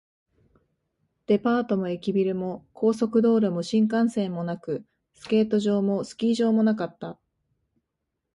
デパートも駅ビルも、高速道路も新幹線もなく、スケート場もスキー場もなかった